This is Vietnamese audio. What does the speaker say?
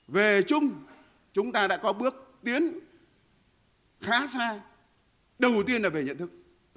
về chung chúng ta đã có bước tiến khá xa đầu tiên là về nhận thức